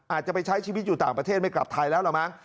อาจจะไปใช้ชีวิตอยู่ต่างประเทศไม่กลับไทยแล้วล่ะมั้ง